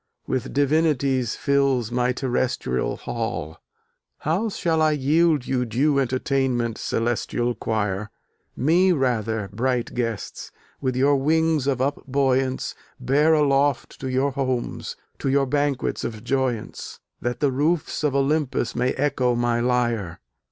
With Divinities fills my Terrestrial Hall! How shall I yield you Due entertainment, Celestial Quire? Me rather, bright guests! with your wings of upbuoyance Bear aloft to your homes, to your banquets of joyance, That the roofs of Olympus may echo my lyre!